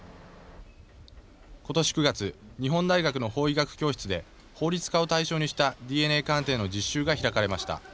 今年９月日本大学の法医学教室で法律家を対象にしたＤＮＡ鑑定の実習が開かれました。